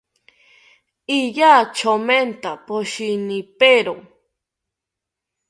Iya chomenta poshinipero